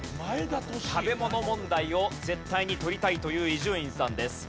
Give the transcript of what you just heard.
食べ物問題を絶対に取りたいという伊集院さんです。